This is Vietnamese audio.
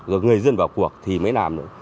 rồi người dân vào cuộc thì mới làm được